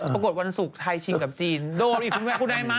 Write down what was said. ปะกดวันศุกร์ไทยชิงกับจีนโดนอีกคนแม่คุณนายม้า